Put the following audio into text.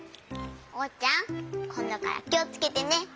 おうちゃんこんどからきをつけてね。